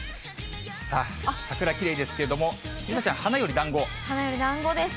さあ、桜きれいですけれども、梨紗ちゃん、花よりだんごです。